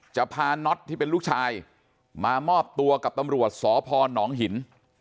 จะพาน็อตที่เป็นลูกชายมามอบตัวกับตำรวจสพนหิน